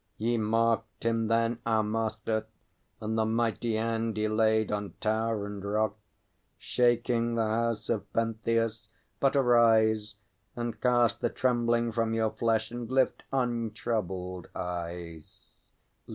Ye marked him, then, our Master, and the mighty hand he laid On tower and rock, shaking the house of Pentheus? But arise, And cast the trembling from your flesh, and lift untroubled eyes.